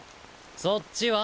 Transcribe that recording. そっちは？